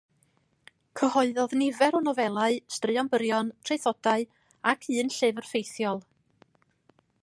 Cyhoeddodd nifer o nofelau, straeon byrion, traethodau, ac un llyfr ffeithiol.